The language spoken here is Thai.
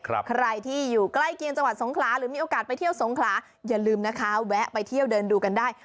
ใครที่อยู่ใกล้เคียงจังหวัดสงขลาหรือมีโอกาสไปเที่ยวสงขลาอย่าลืมนะคะแวะไปเที่ยวเดินดูกันได้